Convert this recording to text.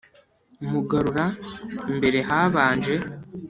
mugarura, mbere habanje